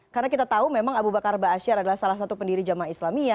karena kita tahu memang abu bakar ba'asyir adalah salah satu pendiri jamaah islamia